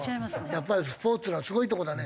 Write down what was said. やっぱりスポーツのすごいとこだね。